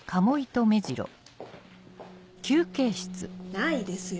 ないですよ。